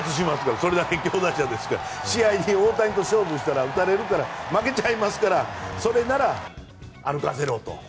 それだけ強打者ですから大谷と勝負したら打たれるから負けちゃいますからそれなら歩かせろと。